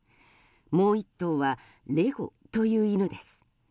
もう１頭は、レゴという犬です。